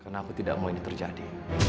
karena aku tidak mau ini terjadi